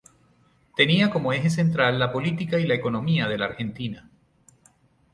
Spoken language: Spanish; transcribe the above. Tenía como eje central la política y la economía de la Argentina.